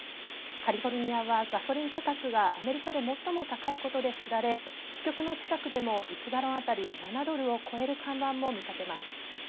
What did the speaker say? カリフォルニアはガソリン価格がアメリカで最も高いことで知られ支局の近くでも、１ガロン当たり７ドルを超える看板も見かけます。